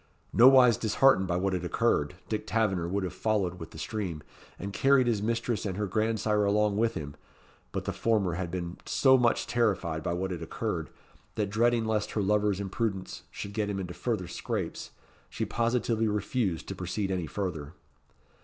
Nowise disheartened by what had occurred, Dick Taverner would have followed with the stream, and carried his mistress and her grandsire along with him; but the former had been so much terrified by what had occurred, that dreading lest her lover's imprudence should get him into further scrapes, she positively refused to proceed any further.